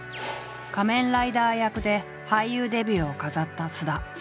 仮面ライダー役で俳優デビューを飾った菅田。